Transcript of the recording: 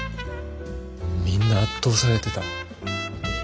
みんな圧倒されてた。